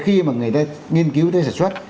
khi mà người ta nghiên cứu tới sản xuất